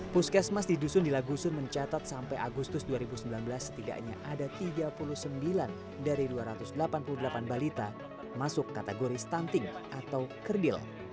puskesmas di dusun di lagusun mencatat sampai agustus dua ribu sembilan belas setidaknya ada tiga puluh sembilan dari dua ratus delapan puluh delapan balita masuk kategori stunting atau kerdil